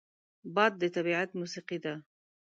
باد د طبیعت موسیقي ده